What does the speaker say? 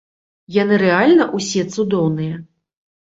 Яны рэальна ўсе цудоўныя!